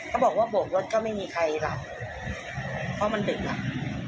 เขาบอกว่าโบกรถก็ไม่มีใครหลับเพราะมันดึกอ่ะ